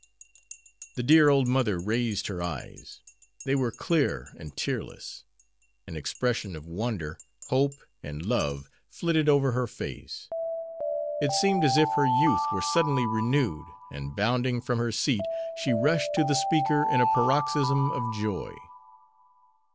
The dear old mother raised her eyes. They were clear and tearless. An expression of wonder, hope, and love flitted over her face. It seemed as if her youth were suddenly renewed and, bounding from her seat, she rushed to the speaker in a paroxysm of joy.